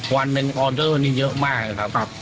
วันหนึ่งออเดอร์นี่เยอะมากนะครับ